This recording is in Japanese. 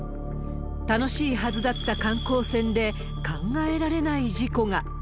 楽しいはずだった観光船で、考えられない事故が。